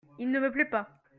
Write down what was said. Il ne me plait pas.